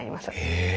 へえ。